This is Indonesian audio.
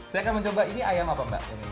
saya akan mencoba ini ayam apa mbak